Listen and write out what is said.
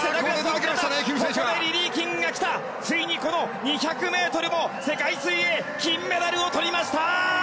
リリー・キング、ついに２００ｍ世界水泳金メダルをとりました！